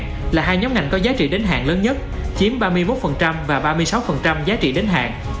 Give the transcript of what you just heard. trái phiếu đến hạn là hai nhóm ngành có giá trị đến hạn lớn nhất chiếm ba mươi một và ba mươi sáu giá trị đến hạn